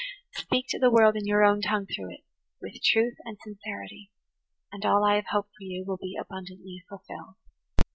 Speak to the world in your own tongue through it, with truth and sincerity; and all I have hoped for you will be abundantly fulfilled."